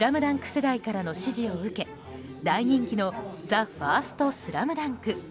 世代からの支持を受け大人気の「ＴＨＥＦＩＲＳＴＳＬＡＭＤＵＮＫ」。